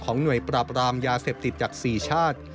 หน่วยปราบรามยาเสพติดจาก๔ชาติ